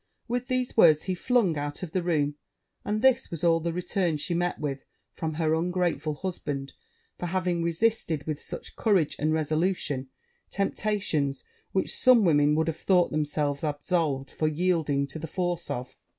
With these words he flung out of the room; and this was all the return she met with from her ungrateful husband, for having resisted, with such courage and resolution, temptations which some women would have thought themselves absolved for yielding to the force of.